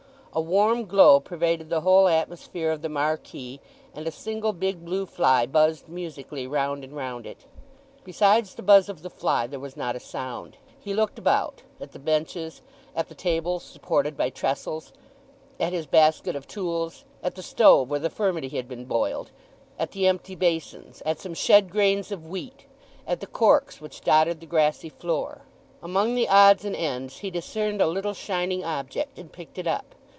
A warm glow pervaded the whole atmosphere of the marquee, and a single big blue fly buzzed musically round and round it. Besides the buzz of the fly there was not a sound. He looked about—at the benches—at the table supported by trestles—at his basket of tools—at the stove where the furmity had been boiled—at the empty basins—at some shed grains of wheat—at the corks which dotted the grassy floor. Among the odds and ends he discerned a little shining object, and picked it up.